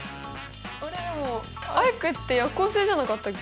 でもアイクって夜行性じゃなかったっけ？